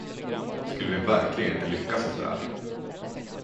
Skulle vi verkligen inte lyckas efter det här?